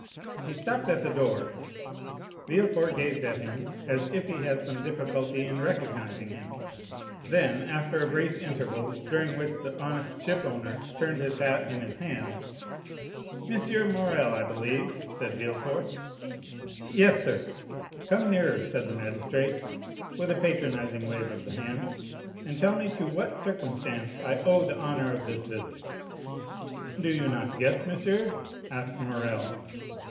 He stopped at the door; Villefort gazed at him as if he had some difficulty in recognizing him; then, after a brief interval, during which the honest shipowner turned his hat in his hands, "M. Morrel, I believe?" said Villefort. "Yes, sir." "Come nearer," said the magistrate, with a patronizing wave of the hand, "and tell me to what circumstance I owe the honor of this visit." "Do you not guess, monsieur?" asked Morrel.